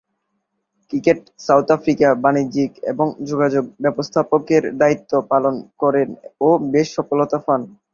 Cricket South আফ্রিকার বাণিজ্যিক এবং যোগাযোগ ব্যবস্থাপকের দায়িত্ব পালন করেন ও বেশ সফলতা পান।